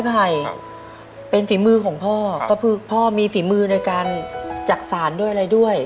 ไผ่เป็นฝีมือของพ่อก็คือพ่อมีฝีมือในการจักษานด้วยอะไรด้วย